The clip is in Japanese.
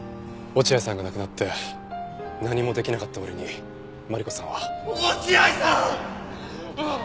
落合さんが亡くなって何もできなかった俺にマリコさんは。落合さん！